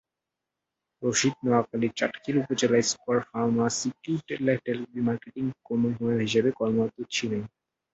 রশিদ নোয়াখালীর চাটখিল উপজেলায় স্কয়ার ফার্মাসিউটিক্যালের মার্কেটিং কর্মকর্তা হিসেবে কর্মরত ছিলেন।